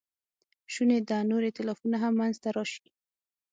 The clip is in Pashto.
شونې ده نور ایتلافونه هم منځ ته راشي.